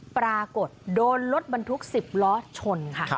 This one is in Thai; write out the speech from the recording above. ปรากฏโดนรถบรรทุก๑๐ล้อชนค่ะ